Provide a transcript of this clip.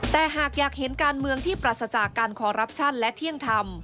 แต่หากอยากเห็นการเมืองที่ปราศจากการคอรัปชั่นและเที่ยงธรรม